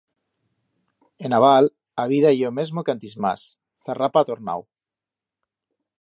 En a val a vida ye o mesmo que antis mas, zarrapa ha tornau.